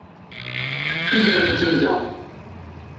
Iger n temda.